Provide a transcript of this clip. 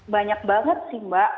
banyak banget sih mbak